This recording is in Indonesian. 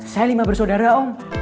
saya lima bersaudara om